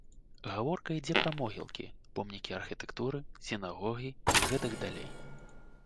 Гаворка ідзе пра могілкі, помнікі архітэктуры, сінагогі і гэтак далей.